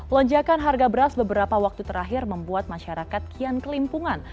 lonjakan harga beras beberapa waktu terakhir membuat masyarakat kian kelimpungan